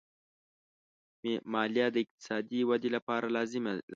مالیه د اقتصادي ودې لپاره لازمي ده.